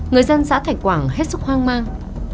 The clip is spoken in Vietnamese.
người dân xã thạch quảng hết sức hoang mang